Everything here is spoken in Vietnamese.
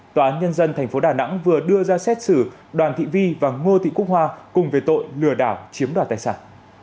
tòa án nhân dân thành phố đà nẵng vừa đưa ra xét xử đoàn thị vi và ngô thị quốc hoa cùng về tội lừa đảo chiếm đoàn tài sản